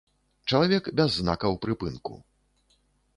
Чалавек без знакаў прыпынку.